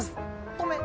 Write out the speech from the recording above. ごめん。